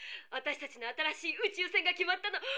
私たちの新しい宇宙船が決まったの。